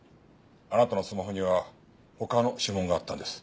あなたのスマホには他の指紋があったんです。